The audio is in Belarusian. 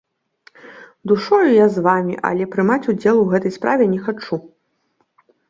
Душою я з вамі, але прымаць удзел у гэтай справе не хачу!